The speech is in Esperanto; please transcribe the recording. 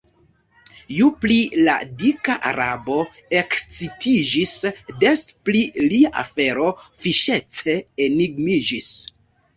Ju pli la dika Arabo ekscitiĝis, des pli lia afero fiŝece enigmiĝis.